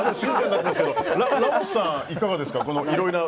ラモスさん、いかがですか？